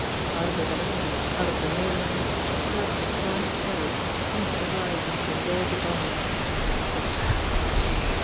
Out of the darkness, out of the nowhere, a circle of flying shadows seemed to arise and converge upon him. The trap!